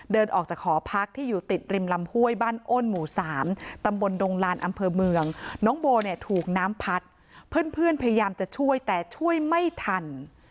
เดินออกจากหอพักที่อยู่ติดริมลำห้วยบ้านอ้นหมู่๓ตำบลดงลานอำเภอเมืองน้องโบเนี่ยถูกน้ำพัดเพื่อนพยายามจะช่วยแต่ช่วยไม่ทัน